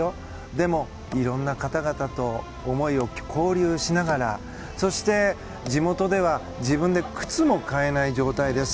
でも、いろんな方々と思いを交流しながらそして、地元では自分で靴も買えない状態です。